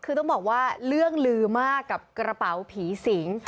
คือต้องบอกว่าเรื่องลือมากกับกระเป๋าผีสิง